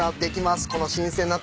この新鮮な鶏。